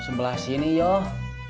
sebelah sini yoh